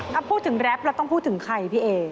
ถ้าพูดถึงแรปเราต้องพูดถึงใครพี่เอ